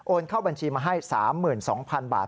เข้าบัญชีมาให้๓๒๐๐๐บาท